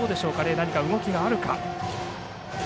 何か動きがあるか。